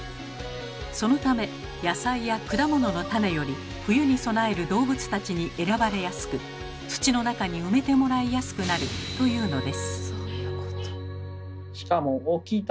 そのため野菜や果物の種より冬に備える動物たちに選ばれやすく土の中に埋めてもらいやすくなるというのです。